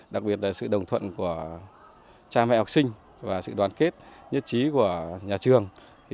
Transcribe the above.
đặc biệt là sự đồng thuận của cha mẹ học sinh và sự đoàn kết nhất trí của nhà trường